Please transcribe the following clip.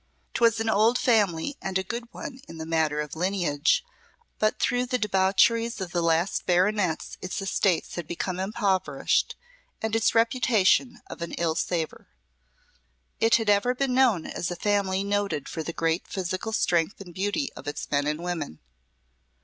'Twas an old family and a good one in the matter of lineage, but through the debaucheries of the last baronets its estates had become impoverished and its reputation of an ill savour. It had ever been known as a family noted for the great physical strength and beauty of its men and women.